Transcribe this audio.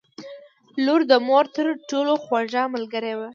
• لور د مور تر ټولو خوږه ملګرې وي.